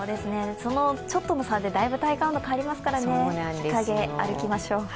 そのちょっとの差でだいぶ体感温度が変わりますから日陰を歩きましょう。